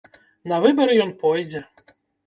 На выбары ён пойдзе.